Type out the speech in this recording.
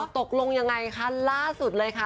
ตกลงยังไงคะล่าสุดเลยค่ะ